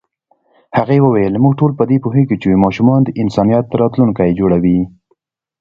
هغې وویل موږ ټول په دې پوهېږو چې ماشومان د انسانیت راتلونکی جوړوي.